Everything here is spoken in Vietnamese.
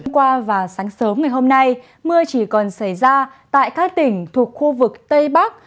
hôm qua và sáng sớm ngày hôm nay mưa chỉ còn xảy ra tại các tỉnh thuộc khu vực tây bắc